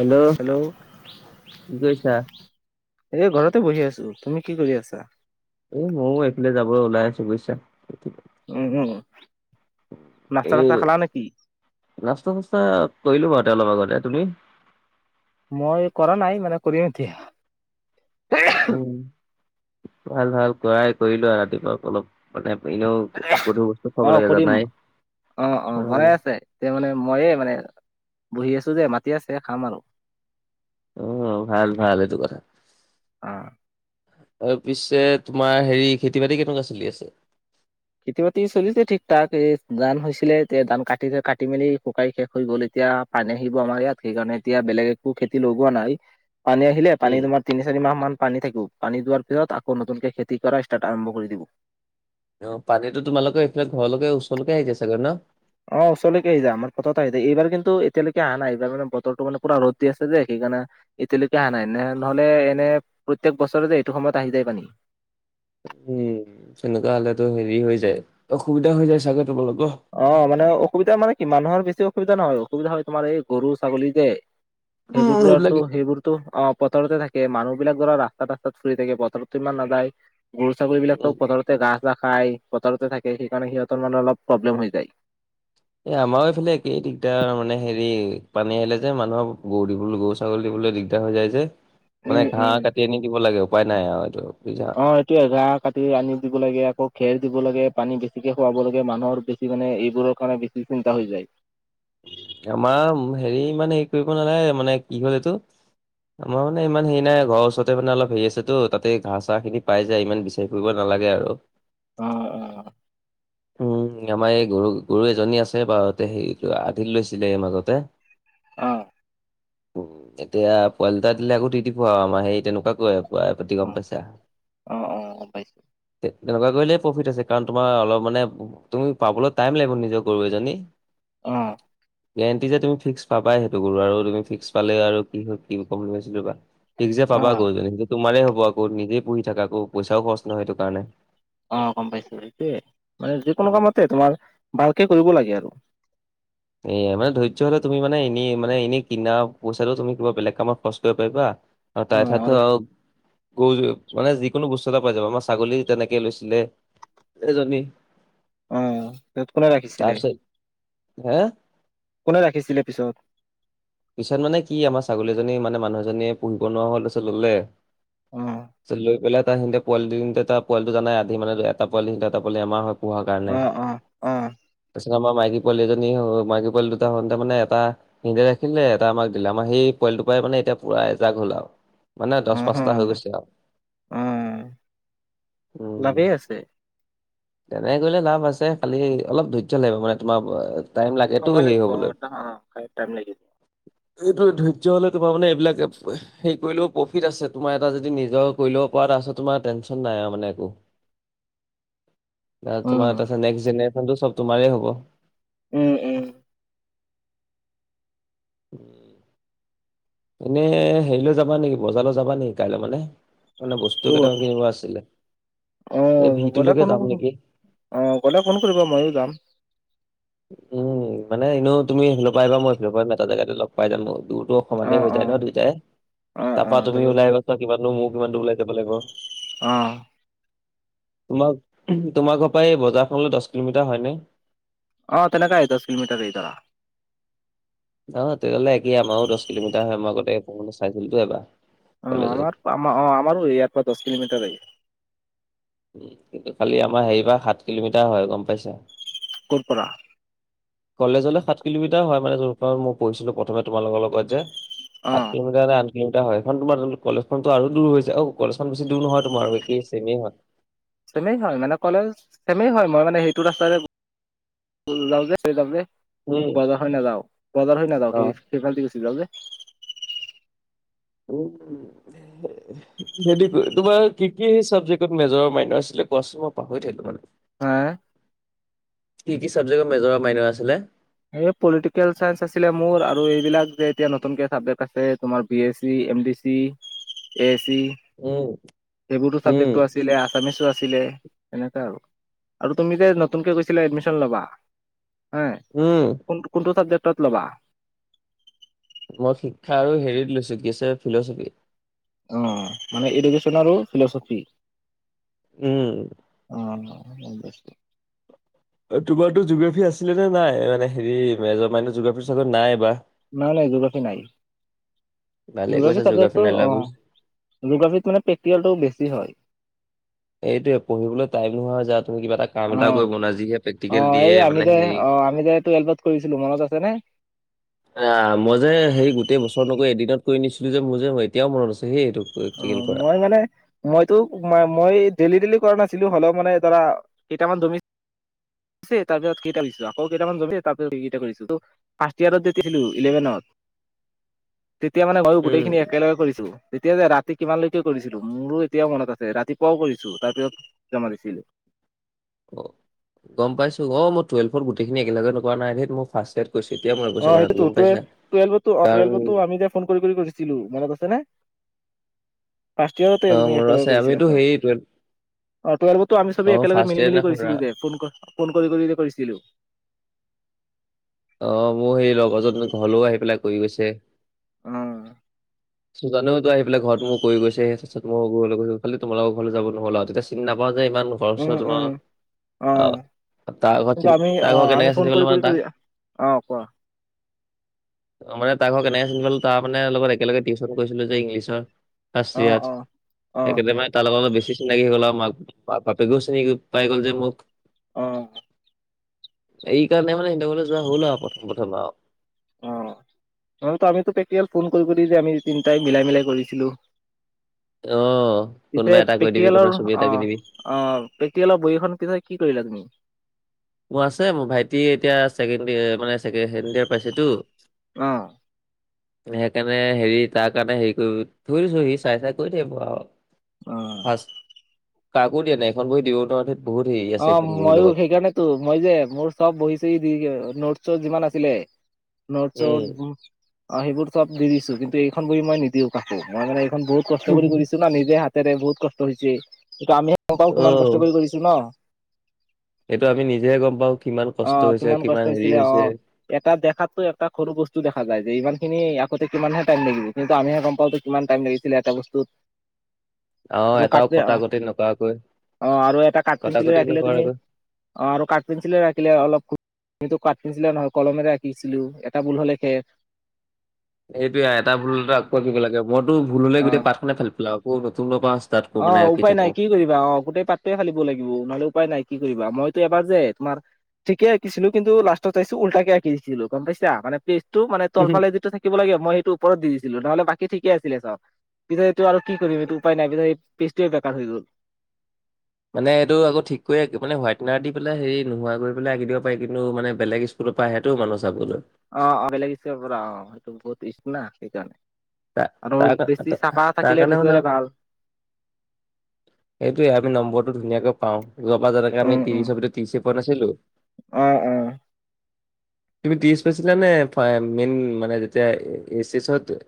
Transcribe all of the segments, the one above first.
Hello, কি কৰিছা? এ ঘৰতে বহি আছো, তুমি কি কৰি আছা? এ ময়ো এইফালে যাবলৈ ওলাই আছো বুজিছা। উম উম, নাস্তা-তাস্তা খালা নেকি? নাস্তা-চাস্তা কৰিলো বাৰু অলপ আগতে, তুমি? মই কৰা নাই মানে কৰিম এতিয়া। উম, ভাল ভাল কৰাই কৰি লোৱা ৰাতিপুৱা অলপ মানে এনেও গধুৰ বস্তু অ খাব লগে জ কৰিম নাই অ অ উ বনাই আছে মানে মইয়ে মানে বহি আছো যে মাতি আছে, খাম আৰু অ', উম, ভাল ভাল এইটো কথা অ তাৰ পিছে তোমাৰ হেৰি খেতি বাতি কেনেকুৱা চলি আছে? খেতি বাতি চলিছে ঠিক ঠাক এই ধান হৈছিলে এতিয়া ধান কাটি কাটি মেলি শুকাই শেষ হৈ গ'ল এতিয়া পানী আহিব আমাৰ ইয়াত সেইকাৰণে এতিয়া বেলেগ একো খেতি লগোৱা নাই, পানী আহিলে পানী উম, তোমাৰ তিনি-চাৰি মাহ মান পানী থাকিব পানী যোৱাৰ পিছত আকৌ নতুনকে খেতি কৰা ষ্টাৰ্ট আৰম্ভ কৰি দিম। অ', পানীতোমালোকে এইফালে ঘৰলৈকে ওচৰলৈকে আহিছোগগৈ ন? অ ওচৰলৈকে আহি যায় আমাৰ পত আহিায় অ', ওচৰলৈকে আহি যায়, এইবাৰ কিন্তু এতিয়ালৈকে অহা নাই এইবাৰানে বতৰটো মানে পুৰা ৰ'দ দি আছে যে সেইকাৰণে এতিয়ালৈকে অহা নাই ন নহলে এনে প্ৰত্যেক বছৰেতে এইটো সময়ত আহি যায় পানী। উম। তেনেকুৱা হলে তো হেৰি হৈ যায় অসুবিধা হৈ যায় চাগে তোমালোকৰ? অ', মানে অসুবিধা মানে কি মানুহৰ বেছি অসুবিধা নহয়, অসুবিধা হয় তোমাৰ এই গৰু ছাগলী যে উম, সেইবোৰো আৰুটো সেইবিলাকে সেইবোৰ অ', পথাৰত থাকে মানুহ বিলাক ধৰা ৰাস্তাত-ৰাস্তাত ফুৰি থাকে পথাৰততো ইমান নাযায়। গৰু ছাগলীবলাকতো উম, পথাৰতে ঘাঁহ-চা খাই পথাৰতে থাকে সেইকাৰণে সিহঁতৰ মানে অলপ প্ৰব্লেম হৈ যায়। এ আমাৰো এইফালে একেই দিগদাৰ মানে হেৰি পানী আহিলে যে মানুহৰ গৰু দিবলৈ গৰ ছাগলী দিবলৈ দিগদাৰ হৈ যায় যে উম মানে ঘাঁহ উম কাটি আনি দিব লাগে উপায় নাই আৰু এইটো বু অ', এইটোয়ে ঘাঁহ কাটি আনি দিব লাগে আকৌ খেৰ দিব লাগে পানীবেছিকে খুৱাব লাগে মানুহৰ বেছি মানে এইবোৰৰ কাৰণে বেছি চিন্তা হৈ যায়। আমাৰ হেৰি ই মানে হেৰি কৰিব নালাগে মানে কি হ'ল এইটো আমাৰ মানে ইমান হে নাই ঘৰৰ ওচৰতে মান অলপ হেৰি আছে তো ততে ঘাঁহ-চাহ খিনি পাই যাই ইমান ঘূৰি-ফূৰিব নালাগে আৰু। অ', অ'হ। উম, আমাৰ এই গৰু গৰু এজনী আছে বাৰতে স আধিত লৈছিলে এই মাজতে অ'। এতিয়া পোৱালি এটা দিলে আকৌ দি দিব আৰু আমাৰ সেই তেনেকুৱা কৈ আৰু ব [unintelligible] পতি অ কম পছা অ অ গম পাইছো [unintelligible] তেনেকুৱা কৰিলেই প্ৰফিট আছে, কাৰণ তোমাৰ অলপ মানে তুমি পাবলৈ টাইম লাগিব নিজৰ গৰু এজনী। অ'। গেৰেণ্টি যে তুমি ফিক্স পাবাই সেইটো কৰো আৰু তুমি ফিক্স পালে আৰু কি হয় কি কম ভাইছিলো [unintelligible] বা নিজে অ পাবা গৰুজনী, তোমাৰেই হ'ব আকৌ নিজেই পঢ়ি থাকা, আকৌ পইচাও খৰচ নহয় সেইটো কাৰণে। অ' গম পাইছো সেইটোয়ে মানে যিকোনো উম, কামতে তোমাৰ ভালকে কৰিব লাগে আৰু। এইয়া মানে ধৈৰ্য্য হ'লে তুমি মানে এনেই মানে এনেই কিনা পইচাটো তুমি কিবা বেলেগ কামত খৰচ কৰিব পাৰিবা। আৰু তাৰ ঠাইতটো আৰু গৰু মানে যিকোনো বস্তু এটা পাই যাব আমাৰ ছাগলী তেনেকে লৈছিলে। এজনী [unintelligible] অ', তাত কোনে ৰাখিছিলে? হা, কোনে ৰাখিছিলে পিছত? পিছত মানে কি আমাৰ ছাগলীজনী মানে মানুহজনীয়ে পুহিব নোৱাৰা হ'ল তাৰ পাছত ল'লে। অ লৈ পেলাই [unintelligible] পোৱালি তিনটা [unintelligible] পোৱালিটো জানাই আধি মানে এটা পোৱালি এটা পোৱালি আমাৰ হয় পোহাৰ কাৰণে। অ অ অ তাৰপিছত আমাৰ মাইকী পোৱালি এজনী হ'ল মাইকী পোৱাল দুটা হওতে মানে এটা [unintelligible] দেখিলে এটা আমাক দিলে আমাৰ সেই পোৱালটোৰ পৰাই মানে এতিয়া পৰা এজাক হল আৰু। মানে অ দহ হ পাঁচটা হৈ গৈছে আৰু অ উম। লাভেই আছে তেনে কৰিলে লাভ আছে খালি অলপ ধৈৰ্য্য লাগিব মানে তোমাৰ [unintelligible] সময় হেৰি লাগিব ম হ'বলৈ। লাগি য [unintelligible] যিটো ধৈৰ্য্য হ'লে তোমাৰ মানে এইবিলাক সেই কৰিলেও প্ৰফিট আছে তোমাৰ এটা যদি নিজৰ কৰি ল'ব পৰা তাৰপিছত তোমাৰ টেনশ্যন নাই আৰু মানে একো। তাত উম তোমাৰ নেক্ জেনে্ৰেচনটো চব তোমাৰ হ'ব। উম, উম। উম। এনে হেৰিলৈ যাবা নেকি, বজাৰলৈ যাবা নেকি কাইলৈ মানে? মানে বস্তু ক'ত কেইটামান কিনিব আছিলে। এই অ', গ'লে ভিটোলৈকে ফোন যাম নেকি [inaudible] অ', গ'লে ফোন কৰিব ময়ো যাম [inaudible] উম', মানে এনেও তুমি সেইফালৰ পৰা আহবা মই এইফালৰ পৰা যাম এটা জেগাতে লগ পাই যাম মই দূৰতো অ সমানেই হৈ অ যায় ন দুইটাই, অ অ তাৰপা তুমি তাৰপিছত ওলাই গছা [unintelligible] কিমান দূৰ মোৰ কিমান দূৰ ওলাই যাব লাগিব অ' তোমাৰ, তোমাৰ ঘৰ পা এই বজাৰখনলে দশ কিলোমিটাৰ হয় নে? অ', তেনেকাই এ, দশ কিলোমিটাৰেই ধৰা অ', তেতিয়াহ'লে একে আমাও দশ কিলোমিটাৰ হয়, মই আগতে [unintelligible] চাইছিলোটো এবা, অ কলেজত আমাৰ অ', আমাৰো ইয়াৰ পৰা দশ কিলোমিটাৰেই উম', কিন্তু খালি আমাৰ হেৰি পা সাত কিলোমিটাৰ হয়, গম পাইছা। ক'ৰ পৰা? কলেজলৈ সাত কিলোমিটাৰ হয় মানে য'ৰপৰা মই পঢ়িছিলো প্ৰথমে তোমালোকৰ লগত যে অ সাত কিলোমি আঠ কিলোমিটাৰ হয়, এইখন তোমাৰ কলেজখনটো আৰু দূৰ হৈছে, অ', কলেজখন বেছি দূৰ নহয় তোমাৰ একে চেমে হয় চেমেই হয় মানে কলেজ, চেমেই হয় মই মানে সেইটো ৰাস্তাৰে [unintelligible] বজাৰ উম হৈ নাযাও, বজাৰ হৈ নাযাও, সেই সেই ফালদি গুচি যাওঁ যে [unintelligible] সেইটোৱে টো, তোমাৰ কি কি চাবজেক্টত মেজৰ মাইনৰ আছিলে কোৱাচোন, মই পাহৰি থাকিলো মানে হা? কি কি চাবজেক্টত মেজৰ আৰু মাইনৰ আছিলে? এই পলিটিকেল চাইঞ্চ আছিলে মোৰ, আৰু এইবিলাক যে এতিয়া নতুনকে চাবজেক্ট আছে তোমাৰ B A C, M D C, A A C উম সেইবোৰতো উম চাবজেক্টটো আ- ছিলে, আছামিছো আছিলে, তেনেকুৱা আৰু আৰু তুমি যে নতুনকে কৈছিলা এডমিশ্যন ল'বা, হে উম। কোন কোনটো জাবজেক্টত লবা? মই শিক্ষা আৰু হেৰিত লৈছো কি আছে ফিলচফি। অ', মানে এডুকেশ্যন আৰু ফিলচফি। উম'। অঁ অঁ গম পাইছোঁ। তোমাৰটো জিঅগ্ৰাফী আছিলে নে নাই, মানে হেৰি মেজৰ মাইনত জিঅগ্ৰাফিৰ চাবজেক্ট নাই এইবাৰ। নাই নাই, জিঅগ্ৰাফী নাই। ভালে জিঅগ্ৰাফী কৈছা জোগ্ৰাফী চাবজেক্টটো নাই লোৱা বুলি অ', জিঅগ্ৰাফী মানে প্ৰেক্টিকেলটো বেছি হয়। এইটোৱে পঢ়িবলৈ টাইম নোহোৱা হৈ যায়, তুমি কিবা এটা অ কাম এটা কৰিব নোৱাৰা, যিহে অ প্ৰেক্টিকেল দিয়ে এই আমি মানে যে হেৰি অ আমি যে টুৱেলভত কৰিছিলো মনত আছে নে? [inaudible] অ', মই যে সেই গোটেই বছৰ নকৈ এদিনত কৰি নিছিলো যে মোৰ যে এতিয়াও মনত আছে সেই এইটো। প্ৰেক্টিকেল অ', কৰা। মই মানে মইতো ম মই ডেলি ডেলি কৰা নাছিলো হ'লেও মানে ধৰা কেইটামান জমি- ছে তাৰ পিছত কেইটা লিখিছোঁ আকৌ কেইটামান জমিছে তাৰ পিছত কেইটা কৰিছো টো ফাৰ্ষ্ট ইয়েৰত যে আহিলোঁ ইলেভেনত তেতিয়া মানে মইয়ো গোটেই উম, খিনি একেলগে কৰিছো, তেতিয়া যে ৰা- তি কিমান লৈকে কৰিছিলো, মোৰো এতিয়াও মনত আছে, ৰাতিপুৱাও কৰিছো, তাৰপিছত জমা দিছিলো। অ', গম পাইছো অ', মই টুৱেলভত গোটেইখিনি একেলগে ন কৰা নাই ধেট, মোৰ ফাৰ্ষ্ট ইয়েৰত কৰিছোঁ এতিয়া মনত অ', পৰিছে কথাটো সেইটোতো গম টুৱেলভ পাইছা, টেলভোটো অ', কাৰণ টুৱেলভোটো আমি এয়া ফোন কৰি কৰি কৰিছিলো মনত আছে নে? ফাৰ্ষ্ট ইয়াৰতে অ তুমি মনত আছে একেলগে কৰিছিলা আমিতো চব। হেৰি টুৱেল অ', টোৱেলভটো আমি অ চবেই একেলগে ফাৰ্ষ্ট মিলি ইয়াৰ মিলি দিনাখন ৰা কৰিছিলো যে, ফোন ক ফোন কৰি কৰি যে কৰিছিলো অ', মোৰ সেই লগৰজন ঘৰলো আহি পেলাই কৰি গৈছে ওম সুজানেওটো তো আহি পেলাই ঘৰত মোৰ কৰি গৈছে, তা পিছত মইয়ো ঘৰলে গৈছো, খালি তোমালোকৰ ঘৰলে যাব নহ'ল আও তেতিয়া চিনি নাপাওঁ যে ইমান উম সেইবছৰ উম তোমাক অ আহ তাৰ কিন্তু ঘৰ আমি অ তাৰ ঘৰ আমি কেনেকে ফোন চিনি কৰি পালো কৰি মানে কৰি তাক অ কোৱা অ মানে তাৰ ঘৰ কেনেকে চিনিপালো তাৰ মানে লগত একেলগে টিউশ- শ্যন কৰিছিলো যে ইংলিছৰ অ ফাৰ্ষ্ট ইয়েৰত অ অ সেইকাৰণে তাক তাৰ লগত অলপ বেছি চিনাকি হৈ গ'ল আও মাক বাপেকেও চিনি পাই গ'ল যে মোক। অ। এই কাৰণে মানে হেঁতঘৰলে যোৱা হল আও প্ৰথম প্ৰথম আও অ নহলেতো আমিতো প্ৰেক্টিকেল ফোন কৰি কৰি যে আমি তিনিটাই মিলাই মিলাই কৰিছিলো। অহ এতিয়া কোনোবা এই এটা কৈ দিবি কোনোবা প্ৰেক্টিকেলৰ ছবি এটা অ আঁকি দিবি। অঁ প্ৰেক্টিকেল বহীখন তেতিয়া কি কৰিলা তুমি? মোৰ আছে মোৰ ভাইটি এতিয়া ছেকেণ্ড ইয়েৰ মানে ছেকেণ্ড ইয়েৰ পাইছে টো। অঁ। [inaudible] সেইকাৰণে হেৰি তাৰ কাৰণে হেৰি কৰি, কৰি থৈছোঁ সি চাই চাই কৰি থাকিব আও। অ ফাঁচ কাকো দিয়া নাই এখন বহী দিব নোৱাৰো ধেত, বহুত হেৰি আছে এখন বহীৰ লগত। ত মই যে মোৰ চব বহি চহি দি নোট চট যিমান আছিলে নোট চট উম। সেইবোৰ চব দি দিছো, কিন্তু এইখন বহি মই নিদিও কাকো মই মানে এইখন বহুত কষ্ট কৰি উম। কৰিছো না নিজে হাতেৰে বহুত কষ্ট হৈছে, এইটো আমিহে গম পাও কিমান অহ কষ্ট কৰিছো ন। এইটো আমি নিজেহে গম পাওঁ কিমান অ কষ্ট হৈছে কিমান কষ্ট হেৰি হৈছিলে অ হৈছে। এটা দেখাতো এটা সৰু বস্তু দেখা যায় যে, ইমান খিনি আ কৰোঁতে কিমানহে টাইম লাগিব কিন্তু আমিহে গম পাওঁ কিমান টাইম লাগিছিলে এটা বস্তুত। অঁ আৰু এটাও কাটে অ কটা কটি নকৰাকৈ অ আৰু এটা কাঠ কটা পেঞ্চিলে কটি ৰাখিলে তুমি নকৰাকৈ অ আৰু কাঠ পেঞ্চিলে আঁকিলে অলপ আমিতো কাঠপেঞ্চিলেৰে নহয় কলমে আঁকিছিলো এটা ভুল হ'লে শেষ। সেইটোৱে এটা ভুল হলে টো আকৌ আঁকিব লাগে মইতো ভুল হলে অ গোটেই পাত খনে ফালি পেলাওঁ আকৌ নতুনৰ পৰা ষ্টাৰ্ট কৰো অ মানে আঁকি উপায় থাকো নাই কি কৰি অ গোটেই পাতটোৱে ফালিব লাগিব নহলে উপায় নাই কি কৰিবা, মইতো এবাৰ যে তোমাৰ ঠিকে আঁকিছিলো কিন্তু লাষ্টত চাইছো উল্টাকে আঁকি দিছিলো গম পাইছা? মানে পেজটো মানে তলফালে যিটো থাকিব লাগে মই সেইটো ওপৰত দি দিছিলো নহ'লে বাকী ঠিকে আছিলে চব। পিছে এইটো আৰু কি কৰিম এইটো উপায় নাই পিছত এই পেজটোৱে বেকাৰ হৈ গ'ল। মানে এইটো আকৌ ঠিক কৰি আঁকিবলে হোৱাইটনাৰ দি পেলাই হেৰি নোহোৱা কৰি পেলাই আঁক দিব পাৰি কিন্তু মানে বেলেগ ইচ স্কুলৰ পৰা আহেটো মানুহ চাবলৈ। অঁ অঁ বেলেগ [inaudible] পৰা অ সেইটো বহুত ইচ্ছ না সেইকাৰণে। তা আৰু তাৰ কা- বেছি তা- চাফা তাৰ থাকিলে কাৰণে নিজৰে ভাল। সেইটোৱে আমি নম্বৰটো ধুনীয়াকৈ পাওঁ যোৱাবাৰ যেনেকে আমি ত্ৰিশৰ ভিতৰত ত্ৰিশে পোৱা নাছিলো? অঁ অঁ। [inaudible] তুমি ত্ৰিশ পাইছিলা নে মেইন মানে যেতিয়া এচ এইচ ত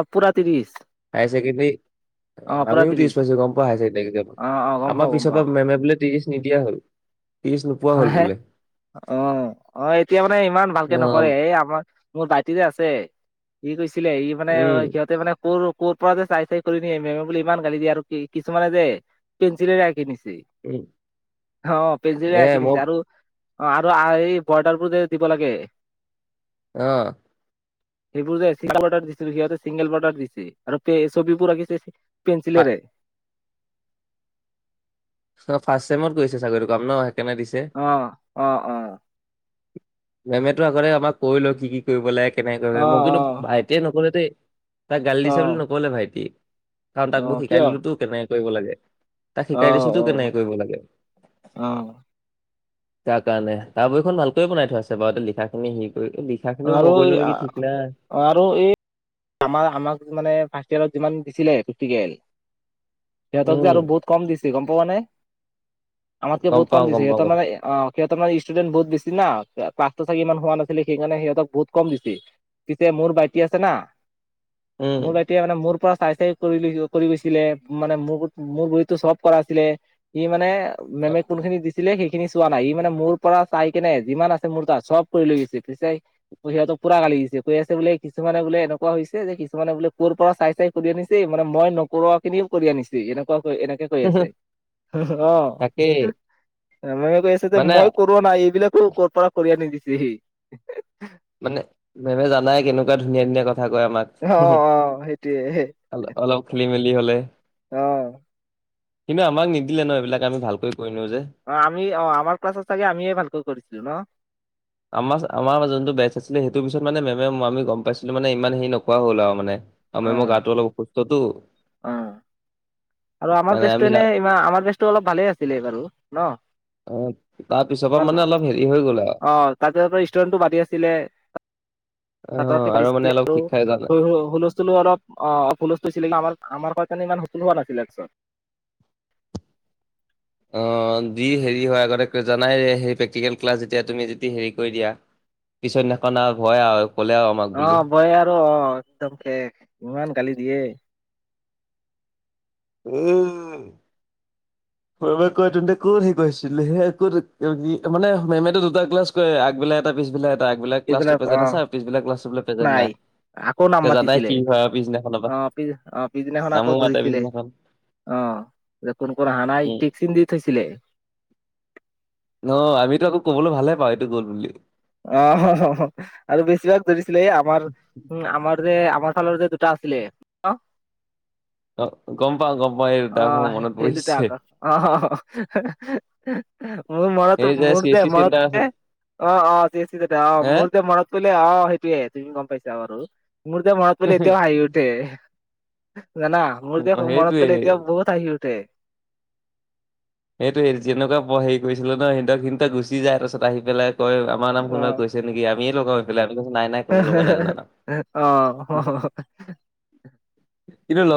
অঁ পোৰা ত্ৰিশ। হায়াৰ ছেকেণ্ডেৰী অ আমিও ত্ৰিশ পাইছো গম পোৱা হায় ছেকেণ্ডেৰী এক্সামত, অ', অ' গম পাওঁ আমাৰ গম পিছৰ পাওঁ পৰা মেমে বুলে ত্ৰিশ নিদিয়া হ'ল। ত্ৰিশ নোপোৱা হ'ল বোলে। [unintelligible] অ অ এতিয়া মানে ইমান ভালকে নকৰে, অ', এই আমাৰ মোৰ ভাইটিৰে আছে, সি কৈছিলে ই মানে উম, সিহঁতে মানে কৰ ক'ৰ পৰা যে চাই চাই কৰি নিয়ে, মেমে বুলি ইমান গালি দিয়ে আৰু কি কিছুমানে যে পেঞ্চিলেৰে আঁকি নিছে। উম, হ পেঞ্চিলেৰে আক এয়াই মোক অ আৰু এই বৰ্ডাৰ বোৰ যে দিব লাগে অঁ। সেইবোৰ যে চিংগল বৰ্ডাৰ দিছিল সিহঁতে চিংগল বৰ্ডাৰ দিছে, আৰু পে ছবিবোৰ আঁকিছে পেঞ্চিলেৰে। ফাৰ্ষ্ট চেমত কৰিছে চাগৈ এইটো কাম ন সেইকাৰণে দিছে। অঁ অঁ অঁ। মেমেতো আগতে আমাক কৈ লয় কি কি কৰিব লাগে, কেনেকে কৰিব লাগে, মোৰ অ', কিন্তু ভাইটিয়ে নকৰে দেই। তাক গালি অ', দিছে বুলি অ', নকলে ভাইটি, কাৰণ তাক অ মই শিকাই কিয়? দিলোতো কেনেকে কৰিব লাগে। তাক শিকাই দিছো অ', তো অ', কেনেকে কৰিব লাগে। অ', তাৰ কাৰণে, তাৰ বহিখন ভালকৈ বনাই থোৱা আছে- বাৰুতে লিখাখিনি সি কৰি লিখা খিনিও আৰু মই এই কৰিলোঁ নেকি ঠিক নাই। আৰু এই আমাৰ আমাক মানে ফাৰ্ষ্ট ইয়েৰত যিমান দিছিলে প্ৰেক্টিকেল, সিহঁতক যে উম, আৰু বহুত কম দিছে গম পোৱা নে? আমাতকে গম বহুত পাওঁ, কম দিছে, গম পাওঁ কথা। সিহঁতৰ মানে অ', সিহতৰ মানে ষ্টুডেণ্ট বহুত বেছি না, ক্লাছটো চাগে ইমান হোৱা নছিলে, সেইকাৰণে সিহত বহুত কম দিছে। পিছে মোৰ ভাইটি আছে না, উম, মোৰ ভাইটি তেতিয়া মানে মোৰ পৰা চাই চাই কৰি, কৰি গৈছিলে, মানে মোৰ মোৰ বহিততো চব কৰা আছিলে। সি মানে, মেমে কোনখিনি দিছ ছিলে, সেইখিনি চোৱা নাই, ই মানে মোৰ পৰা চাই কেনে যিমান আছে মোৰ তাত, চব কৰি লৈ গৈছে, পিছে সিহত পুৰা গালি দিছে, কৈ আছে বোলে কিছুমানে বোলে এনে কোৱা হৈছে যে, কিছুমানে বোলে ক'ৰ পৰা চাই চাই কৰি আনিছে, মানে মই নকৰোৱা খিনিও কৰি আনিছে, এনেকুৱা এনেকে কৈ আছে, [unintelligible] অহ, তাকেই মই কৈ আছোঁ যে মানে মই ক ব নাই, এইবিলাকো ক'ৰ পৰা কৰি আনি দিছেহি। মানে, মেমে জানাই, কেনেকুৱা ধুনীয়া ধুনীয়া কথা কয় আমাক। অ', অ', সেইটোয়েই হে। অলপ, অলপ খেলি মেলি হ'লে অ'। কিন্তু আমাক নিদিলে ন এইবিলাক, আমি ভালকৈ কৰি নিওঁ যে। অ', আমি, অ', আমাৰ ক্লাছত চাগে আমিয়েই ভালকৈ কৰিছিলো চাগে ন। আমাৰ, আমাৰ যোনটো বেচ আছিলে, সেইটো পিছত মানে মেমে আমি গম পাইছিলোঁ মানে ইমান হেৰি নকৰা হ'ল আৰু মানে। আৰু অ মেমৰ গাটো অলপ [unintelligible] তো। অ'। আৰু আমাৰ মানে বেচটো আমি যা- এনেই, আমাৰ বেচটো অলপ ভালে আছিলে বাৰু ন। অ তাৰ পিছৰ অ', পৰা মানে অলপ হেৰি হৈ গ'ল আৰু [unintelligible] ষ্টুৰেণ্টটো বাঢ়ি আছিলে। [inaudible] অলপ অ আৰু মানে অলপ শিক্ষাই জানা অ', হুলস্থুল হৈছিলে, [unintelligible] আমাৰ কথা [unintelligible] চা অ', দি হেৰি হয়, আগতে জনাই, প্ৰেক্টিকেল ক্লাছ যেতিয়া তুমি যদি হেৰি কৰি দিয়া। পিছৰদিনাখন আৰু ভয় আৰু, ক'লে আৰু। আমাক বুলি অ', ভয় আৰু অ', একদম শেষ, ইমান গালি দিয়ে। উম মেমে কয় তহতে ক'ত হেৰি কৰি আছিলি? সেয়া ক'ত [unintelligible] মানে মেমটো দুটা ক্লাছ কৰে, আগবেলা এটা, পিছবেলা এটা, আগবাক পিছবেলা ক্লাচটো প্ৰেজেণ্ট অ', আছে আৰু পিছবেলা ক্লাচটো বোলে প্ৰেজেণ্ট নাই। আকৌ নাম এতিয়া জানাই মাতিছিলে, কি হয় আৰু পিছদিনাখনৰ পৰা অ', পিছ, আহ পিছদিনাখন আকৌ নামো মাতে ধৰিছিলে। পিছদিনাখন অ', এতিয়া কোন কোন অহা নাই? উম টিক চিন দি থৈছিলে। অ', আমিতো আকৌ ক'বলৈ ভালে পাওঁ, এইটো গ'ল বুলি। অ', [unintelligible] আৰু বেছিভাগ ধৰিছিলে এই আমাৰ- উম, আমাৰ যে, আমাৰ ফালৰ যে দুটা আছিলে অ গম পাওঁ গম পাওঁ এই অ', দুটা মোৰ মনত সেইদুটা পৰিছে আকৌ [unintelligible] অ'। মোৰ মনত, এই যে মোৰ চি এছ দেই চি মনত চেণ্টাৰ আছে দে, অ', অ'। [unintelligible] অ', হে মোৰযে মনত পৰিলে, অ', সেইটোয়েই, তুমি গম পাইছা বাৰু। মোৰ যে মনত পৰিলে এতিয়াও হাঁহি উঠে, জানা? মোৰ যে অ মনত সেইটোৱে পৰিলে এতিয়াও বহুত হাঁহি উঠে। সেইটোৱেই, যেনেকুৱা ব হেৰি কৰিছিলো ন সিহতক, সিহঁত গুচি যায়, তাৰপিছত আহি পেলাই কয়, আমাৰ নাম কোনোবাই কৈ ছে নেকি? আমিয়েই লগাও ইফালে, আমি কওঁ নাই নাই, কোনো লগোৱা নাই জানা। অ অ কিন্তু ল [unintelligible]